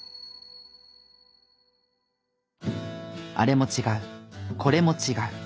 あれも違うこれも違う。